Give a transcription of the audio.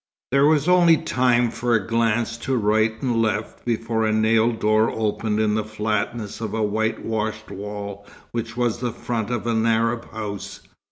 There was only time for a glance to right and left before a nailed door opened in the flatness of a whitewashed wall which was the front of an Arab house.